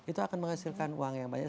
itu akan menghasilkan uang yang banyak